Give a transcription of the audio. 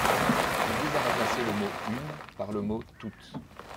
Il vise à remplacer le mot « une » par le mot « toute ».